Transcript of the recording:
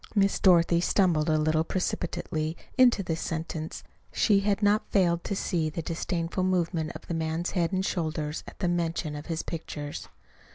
(Miss Dorothy stumbled a little precipitately into this sentence she had not failed to see the disdainful movement of the man's head and shoulders at the mention of his pictures.)